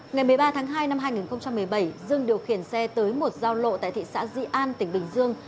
ngày một mươi ba tháng hai năm hai nghìn một mươi bảy dương điều khiển xe tới một giao lộ tại thị xã di an tỉnh bình dương